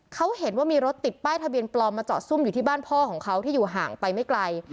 เขาเห็นว่ามีรถติดป้ายทะเบียนปลอมมาจอดซุ่มอยู่ที่บ้านพ่อของเขาที่อยู่ห่างไปไม่ไกล